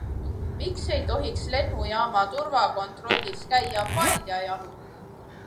Miks ei tohiks lennujaama turvakontrollis käia paljajalu?